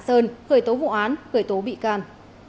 sơn gửi tố vụ án gửi tố bị can